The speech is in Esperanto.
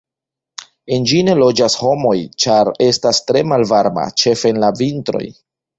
En ĝi ne loĝas homoj, ĉar estas tre malvarma, ĉefe en la vintroj.